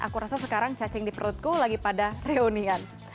aku rasa sekarang cacing di perutku lagi pada reunian